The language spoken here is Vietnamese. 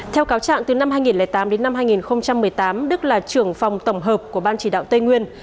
theo cáo trạng từ năm hai nghìn tám đến năm hai nghìn một mươi tám đức là trưởng phòng tổng hợp của ban chỉ đạo tây nguyên